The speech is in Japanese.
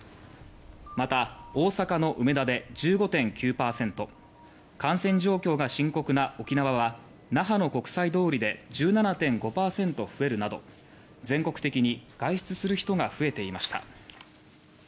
また、大阪の梅田で１５．９％感染状況が深刻な沖縄は那覇の国際通りで１７．５％増えるなど全国的に外出する人が増えていました。